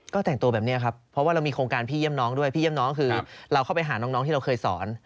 ก็แต่งตัวแบบนี้ครับเพราะว่าเรามีโครงการพี่เยี่ยมน้องด้วยพี่เยี่ยมน้องคือเราเข้าไปหาน้องที่เราเคยสอน